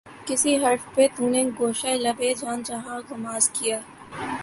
کس حرف پہ تو نے گوشۂ لب اے جان جہاں غماز کیا